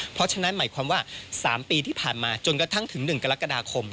เพราะฉะนั้นหมายความว่า๓ปีที่ผ่านมาจนกระทั่งถึง๑กรกฎาคม